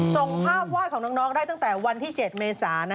ส่งภาพวาดของน้องได้ตั้งแต่วันที่๗เมษา